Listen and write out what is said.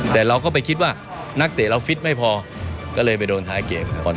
แต่เราก็ไปคิดว่านักเตะเราฟิตไม่พอก็เลยไปโดนท้ายเกม